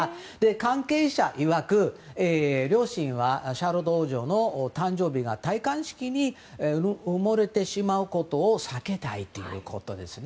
関係者いわく両親はシャーロット王女の誕生日が戴冠式に埋もれてしまうことを避けたいということですね。